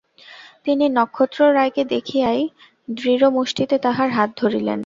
তিনি নক্ষত্ররায়কে দেখিয়াই দৃঢ় মুষ্টিতে তাঁহার হাত ধরিলেন।